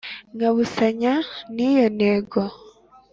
nkabusanya n’iyo ntego